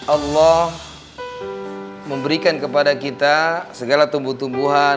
allah memberikan kepada kita segala tumbuh tumbuhan